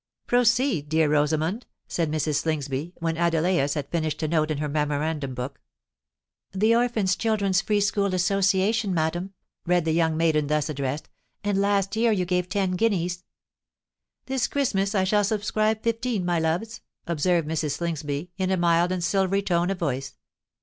"Proceed, dear Rosamond," said Mrs. Slingsby, when Adelais had finished a note in her memorandum book. "The Orphan Children's Free School Association, madam," read the young maiden thus addressed; "and last year you gave ten guineas." "This Christmas I shall subscribe fifteen, my loves," observed Mrs. Slingsby, in a mild and silvery tone of voice.